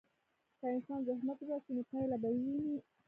که انسان زحمت وباسي، نو پایله به وویني.